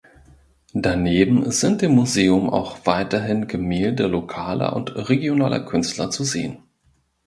Daneben sind im Museum auch weiterhin Gemälde lokaler und regionaler Künstler zu sehen.